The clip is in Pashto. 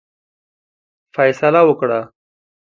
فیصله وکړه.